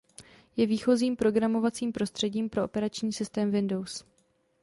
Je výchozím programovacím prostředím pro operační systém Windows.